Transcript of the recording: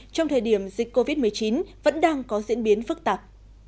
trong thời điểm dịch covid một mươi chín vẫn đang có diễn biến phức tạp